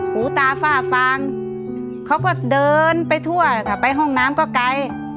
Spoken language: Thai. หูตาฝ้าฟางเขาก็เดินไปทั่วค่ะไปห้องน้ำก็ไกล